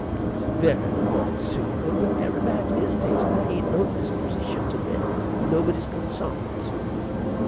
'Twas very onsuitable; but every man to his taste, I hain't no dispersition to meddle with nobody's consarns.